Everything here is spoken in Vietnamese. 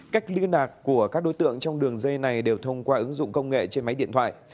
cách liên lạc của các đối tượng trong đường dây này đều thông qua ứng dụng công nghệ trên máy điện thoại